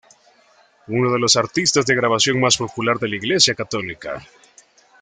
Uno de los artistas de grabación más popular de la iglesia católica.